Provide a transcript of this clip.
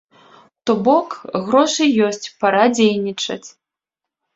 То бок, грошы ёсць, пара дзейнічаць.